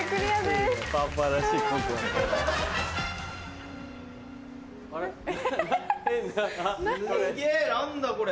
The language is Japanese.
すげぇ何だこれ？